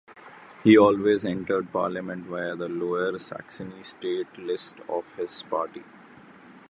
He always entered parliament via the Lower Saxony state list of his party.